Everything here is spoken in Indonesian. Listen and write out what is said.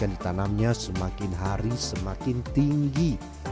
menanamnya semakin hari semakin tinggi